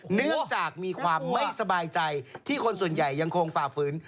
เนื่องจากมีความไม่สบายใจที่คนส่วนใหญ่ยังคงฝ่าฝืน